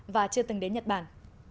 và chưa từng đến nhật bản